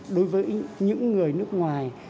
đối với những người nước ngoài